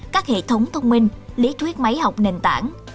các hệ thống thông minh lý thuyết máy học nền tảng